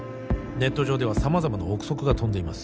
ネット上では様々な臆測が飛んでいます